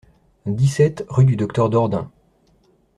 dix-sept rue du Docteur Dordain